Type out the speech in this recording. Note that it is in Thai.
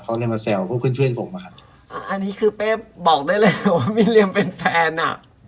เขาเลยมาแซวพวกเพื่อนผมอ่ะครับอ่าอันนี้คือเป้บอกได้เลยว่าไม่เรียมเป็นแฟนอ่ะ